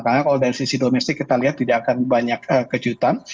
karena kalau dari sisi domestik kita lihat tidak akan banyak kejutan